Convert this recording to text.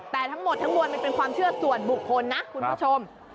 แต่ทั้งหมดทั้งมวลมันเป็นความเชื่อส่วนบุคคลนะคุณผู้ชม